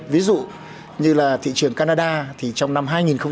ví dụ như là thị trường canada thì trong năm hai nghìn một mươi chín